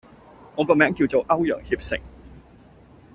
我個名叫做歐陽協成